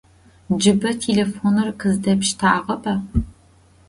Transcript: Джыбэ телефоныр къыздэпштагъэба?